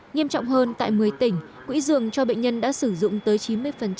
nghiêm trọng hơn tại một mươi tỉnh quỹ giường cho bệnh nhân đã sử dụng tới chín mươi